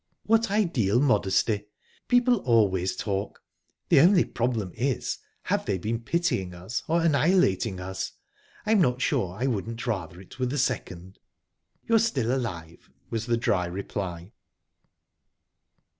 "What ideal modesty! People always talk. The only problem is: have they been pitying us, or annihilating us? I'm not sure I wouldn't rather it were the second." "Well, you're still alive," was the dry reply.